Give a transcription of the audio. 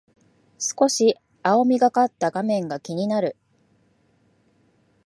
少し青みがかった画面が気になる